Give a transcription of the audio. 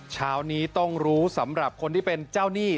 เช้านี้ต้องรู้สำหรับคนที่เป็นเจ้าหนี้